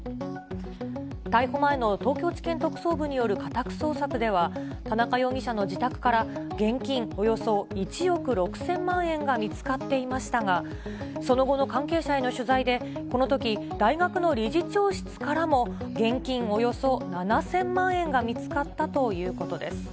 逮捕前の東京地検特捜部による家宅捜索では、田中容疑者の自宅から現金およそ１億６０００万円が見つかっていましたが、その後の関係者への取材で、このとき、大学の理事長室からも、現金およそ７０００万円が見つかったということです。